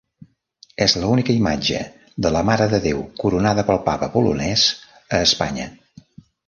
És l'única imatge de la Mare de Déu coronada pel papa polonès a Espanya.